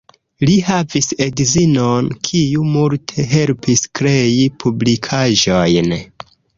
Li havis edzinon, kiu multe helpis krei publikaĵojn.